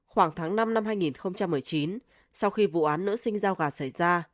khoảng tháng năm năm hai nghìn một mươi chín sau khi vụ án nữ sinh giao gà xảy ra